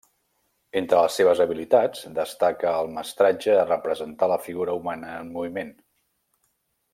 Entre les seves habilitats, destaca el mestratge a representar la figura humana en moviment.